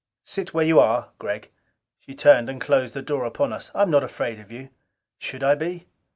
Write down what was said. "Sit where you are, Gregg." She turned and closed the door upon us. "I am not afraid of you. Should I be?"